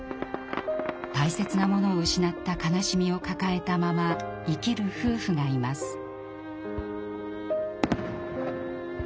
大切なものを失った悲しみを抱えたまま生きる夫婦がいます。